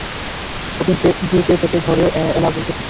অতীনকে বুকে চেপে ধরে এলা বলতে লাগল।